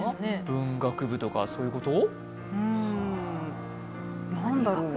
文学部とかそういうこと？